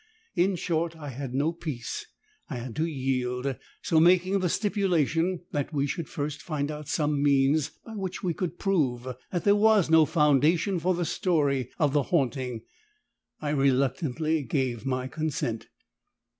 In short, I had no peace, I had to yield, so making the stipulation that we should first find out some means by which we could prove that there was no foundation for the story of the haunting, I reluctantly gave my consent.